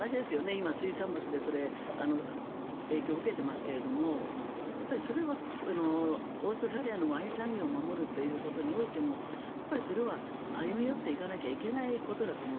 今、水産物でそれ影響を受けていますけれどそれはオーストラリアのワイン産業を守るということにおいてもそれは歩み寄っていかなきゃいけないことだと思う。